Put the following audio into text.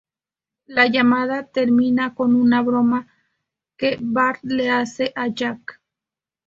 La llamada termina con una broma que Bart le hace a Jack.